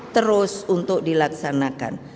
terus untuk dilaksanakan